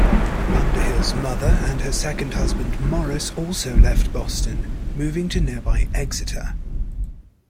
Underhill's mother and her second husband Morris also left Boston, moving to nearby Exeter.